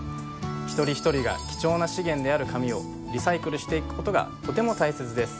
一人一人が貴重な資源である紙をリサイクルしていくことがとても大切です。